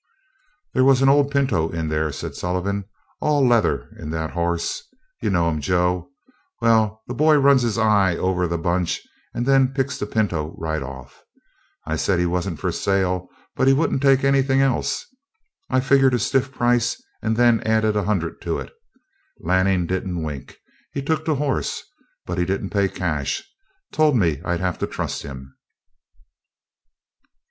"There was an old pinto in there," said Sullivan, "all leather in that hoss. You know him, Joe. Well, the boy runs his eye over the bunch, and then picks the pinto right off. I said he wasn't for sale, but he wouldn't take anything else. I figured a stiff price, and then added a hundred to it. Lanning didn't wink. He took the horse, but he didn't pay cash. Told me I'd have to trust him."